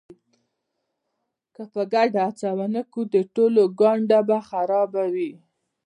که په ګډه هڅه ونه کړو د ټولو ګانده به خرابه وي.